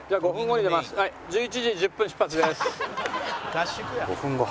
「合宿や」